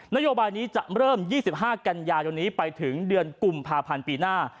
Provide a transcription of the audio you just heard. นโยบายนี้จะเริ่ม๒๕กันยายนนี้ไปถึงเดือนกุมภาพันธ์ปีหน้า